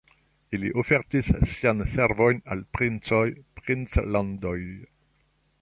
Ili ofertis siajn servojn al princoj, princlandoj.